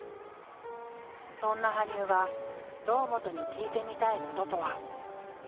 そんな羽生が堂本に聞いてみたいこととは。